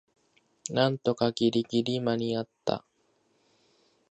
なんとかギリギリ間にあった